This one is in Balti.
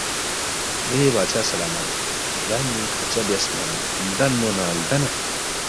لے بادشاہ سلامت یان٘ی خرچہ بیاس نہ لدنمو نہ لدنید